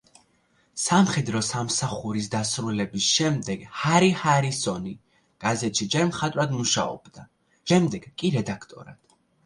სამხედრო სამსახურის დასრულების შემდეგ ჰარი ჰარისონი გაზეთში ჯერ მხატვრად მუშაობდა, შემდეგ კი რედაქტორად.